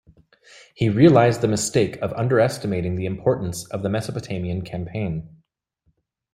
He realized the mistake of underestimating the importance of the Mesopotamian campaign.